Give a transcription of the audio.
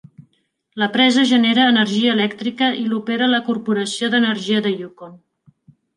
La presa genera energia elèctrica i l'opera la Corporació d'Energia de Yukon.